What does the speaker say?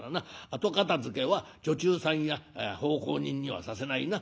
後片づけは女中さんや奉公人にはさせないな。